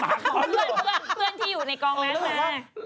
เพื่อนที่อยู่ในกองน้ำมา